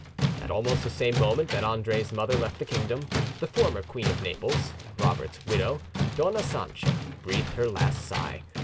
At almost the same moment that Andre's mother left the kingdom, the former queen of Naples, Robert's widow, Dona Sancha, breathed her last sigh.